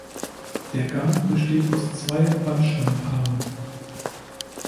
Der Gang besteht aus zwei Wandsteinpaaren.